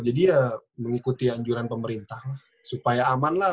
jadi ya mengikuti anjuran pemerintah lah supaya aman lah